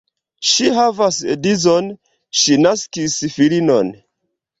Ŝi havas edzon, ŝi naskis filinon.